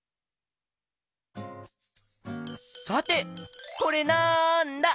さてこれなんだ？